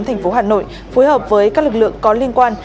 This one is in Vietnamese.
thành phố hà nội phối hợp với các lực lượng có liên quan